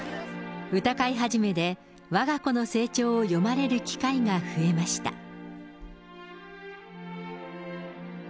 歌会始でわが子の成長を詠まれる機会が増えました。